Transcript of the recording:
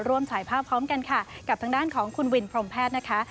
ถ่ายภาพพร้อมกันค่ะกับทางด้านของคุณวินพรมแพทย์นะคะ